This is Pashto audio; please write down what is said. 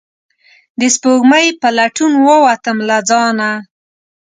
د سپوږمۍ په لټون ووتم له ځانه